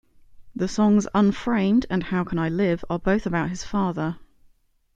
The songs "Unframed" and "How Can I Live" are both about his father.